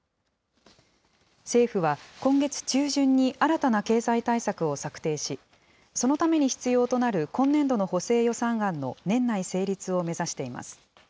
政府は今月中旬に新たな経済対策を策定し、そのために必要となる今年度の補正予算案の年内成立を目指しています。